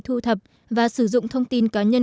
thu thập và sử dụng thông tin cá nhân